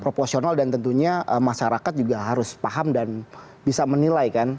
proporsional dan tentunya masyarakat juga harus paham dan bisa menilai kan